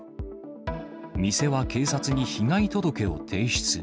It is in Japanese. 店は警察に被害届を提出。